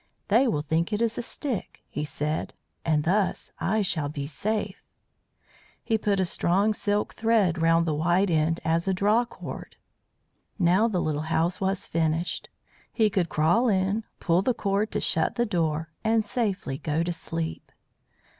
"They will think it is a stick," he said, "and thus I shall be safe." He put a strong silk thread round the wide end as a draw cord. Now the little house was finished. He could crawl in, pull the cord to shut the door, and safely go to sleep.